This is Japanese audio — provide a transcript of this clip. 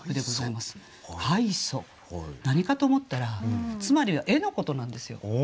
何かと思ったらつまりは絵のことなんですよ。